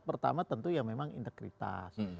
pertama tentu ya memang integritas